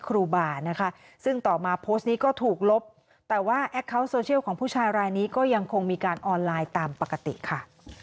ข้าวโซเชียลของผู้ชายรายนี้ก็ยังคงมีการออนไลน์ตามปกติค่ะ